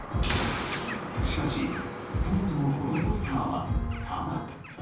しかし、そもそもこのポスターはタダ。